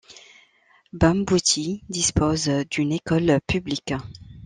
Bambouti dispose d'une école publique.